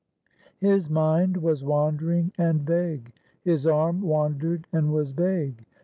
His mind was wandering and vague; his arm wandered and was vague.